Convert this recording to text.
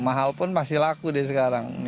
mahal pun pasti laku deh sekarang gitu loh